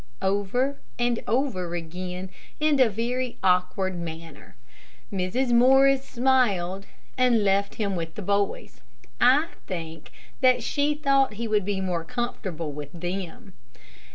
over and over again, in a very awkward manner. Mrs. Morris smiled, and left him with the boys. I think that she thought he would be more comfortable with them.